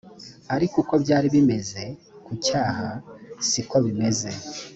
ariko uko byari bimeze ku cyaha si ko bimeze